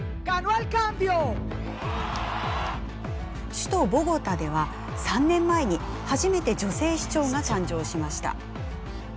首都ボゴタでは３年前に初めて女性市長が誕生しました。